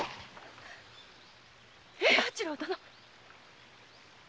平八郎殿！